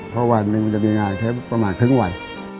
พอวันมันจะมีงานใช้ประมาณครึ่งวัย